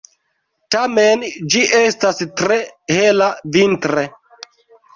Tamen ĝi estas tre hela vintre.